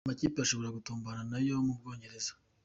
Amakipe ashobora gutomborana n’ayo mu Bwongereza:.